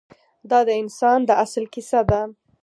دا د انسان د اصل کیسه ده.